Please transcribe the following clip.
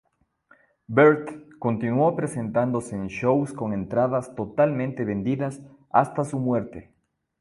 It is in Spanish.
Bert continuó presentándose en shows con entradas totalmente vendidas hasta su muerte.